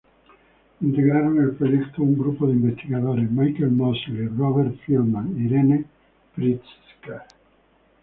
Integraron el proyecto un grupo de investigadores: Michael Moseley, Robert Feldman, Irene Pritzker.